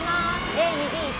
Ａ２Ｂ１。